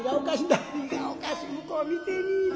「いやおかしい向こう見てみいな。